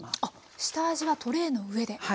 あっ下味はトレイの上で。